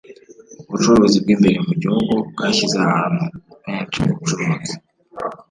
ubucuruzi bwimbere mu gihugu bwashyize abantu benshi mubucuruzi